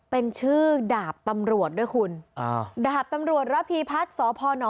เป็นชื่อดาบตำรวจด้วยคุณอ่าดาบตำรวจระพีพัฒน์สพน